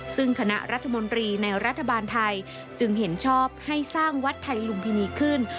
ซึ่งคณะรัฐมนตรีในรัฐบาลไทยจึงเห็นชอบให้สร้างวัดไทยลุมพินีขึ้น